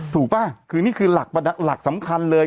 ป่ะคือนี่คือหลักสำคัญเลย